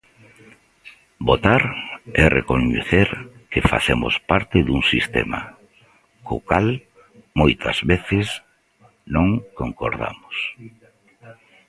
Votar é recoñecer que facemos parte dun sistema, co cal moitas veces non concordamos